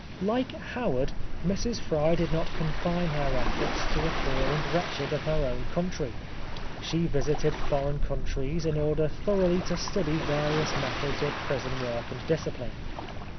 Like Howard, Mrs. Fry did not confine her efforts to the poor and wretched of her own country. She visited foreign countries in order thoroughly to study various methods of prison work and discipline.